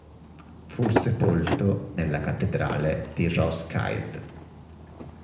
Fu sepolto nella cattedrale di Roskilde.